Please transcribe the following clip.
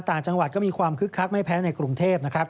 ต่างจังหวัดก็มีความคึกคักไม่แพ้ในกรุงเทพนะครับ